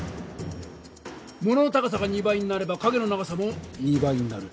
物の高さが２倍になれば影の長さも２倍になる。